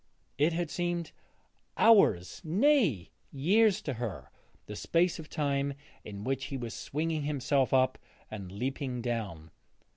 It had seemed hours, nay, years to her, the space of time in which he was swinging himself up and leaping down.